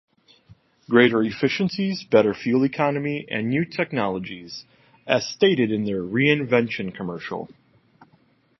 Greater efficiencies, better fuel economy, and new technologies as stated in their reinvention commercial.